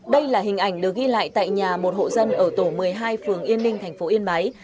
đây là hình ảnh được ghi lại tại nhà một hộ dân ở tổ một mươi hai phường yên ninh thành phố yên bái